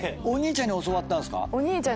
お兄ちゃんに教わったんすか？